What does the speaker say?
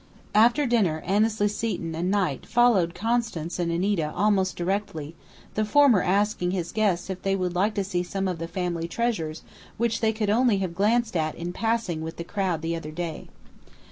After dinner Annesley Seton and Knight followed Constance and "Anita" almost directly, the former asking his guests if they would like to see some of the family treasures which they could only have glanced at in passing with the crowd the other day.